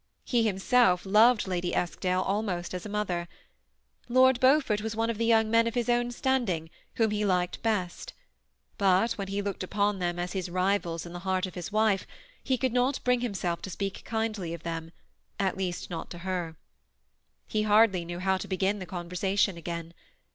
He himself loved Lady Eskdale almost as a mother. Lord Beaufort was one of the young men of his own standing, whom he liked best ; but when he looked up<Hi them as bis rivals 76 THE SEMI ATTACHED COUPLE. in the heart of his wife, he could not bring himself to speak kindly of them, at least not to her. He hardly knew how to begin the conversation again.